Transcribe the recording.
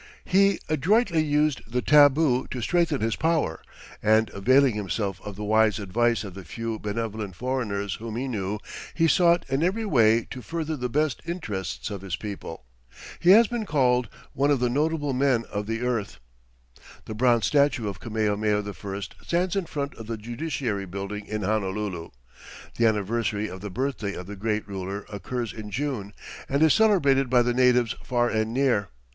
He adroitly used the tabu to strengthen his power, and availing himself of the wise advice of the few benevolent foreigners whom he knew, he sought in every way to further the best interests of his people. He has been called "one of the notable men of the earth." The bronze statue of Kamehameha I stands in front of the Judiciary Building in Honolulu. The anniversary of the birthday of the great ruler occurs in June, and is celebrated by the natives far and near.